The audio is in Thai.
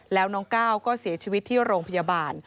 แล้วน้องก้าวก็เสียชีวิตที่โรงพยาบาล